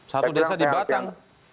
satu desa di batang